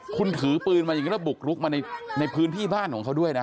คุณถือปืนมาอย่างนี้แล้วบุกรุกมาในพื้นที่บ้านของเขาด้วยนะ